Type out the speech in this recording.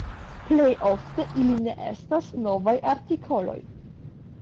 Plej ofte ili ne estas novaj artikoloj.